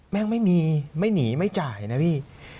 แม่งไม่มีไม่หนีไม่จ่ายนะพี่